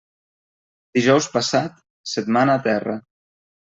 Dijous passat, setmana a terra.